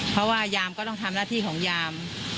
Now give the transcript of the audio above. เพราะว่ายามก็ต้องทำหน้าที่ของยาม